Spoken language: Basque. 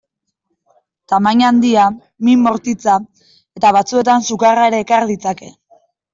Tamaina handia, min bortitza eta batzuetan sukarra ere ekar ditzake.